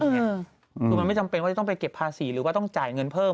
คือมันไม่จำเป็นว่าจะต้องไปเก็บภาษีหรือว่าต้องจ่ายเงินเพิ่ม